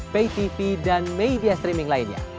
pay tv dan media streaming lainnya